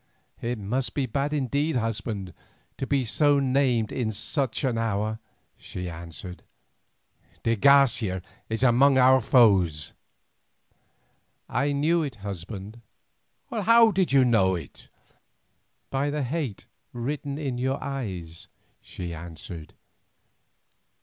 "It must be bad indeed, husband, to be so named in such an hour," she answered. "De Garcia is among our foes." "I knew it, husband." "How did you know it?" "By the hate written in your eyes," she answered.